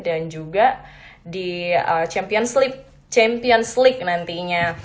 dan juga di champions league nantinya